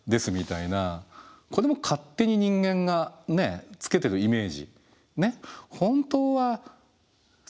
これも勝手に人間がねつけてるイメージ。